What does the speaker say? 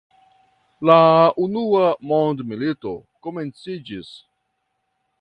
La Unua mondmilito komenciĝis.